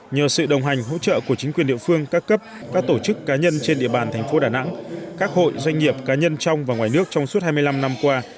nhờ sự đồng hành hỗ trợ của chính quyền địa phương các cấp các tổ chức cá nhân trên địa bàn thành phố đà nẵng các hội doanh nghiệp cá nhân trong và ngoài nước trong suốt hai mươi năm năm qua